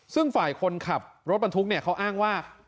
ซึ่งฝ่ายคนขับรถบรรทุกเนี่ยเขาอ้างว่า